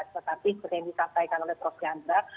tetapi seperti yang disampaikan oleh prof chandra